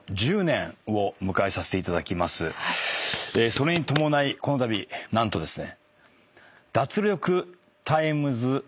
それに伴いこのたび何とですね。